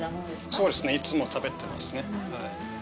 そうですねいつも食べてますね。